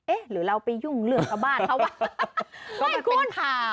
เอ๊ะหรือเราไปยุ่งเลือกเข้าบ้านเขาวะ